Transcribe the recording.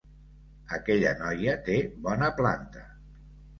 Aquella noia té bona planta.